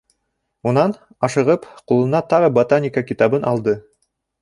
Унан, ашығып, ҡулына тағы ботаника китабын алды.